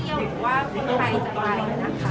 หรือว่าคนไข่อีกตอนอย่างนั้นค่ะ